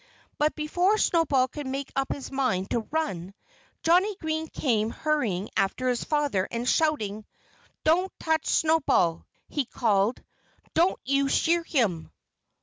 But before Snowball could make up his mind to run, Johnnie Green came hurrying after his father, and shouting. "Don't touch Snowball!" he called. "Don't you shear him!"